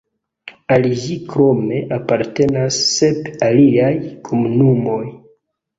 Al ĝi krome apartenas sep aliaj komunumoj.